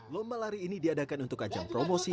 lomba lari ini diadakan untuk ajang promosi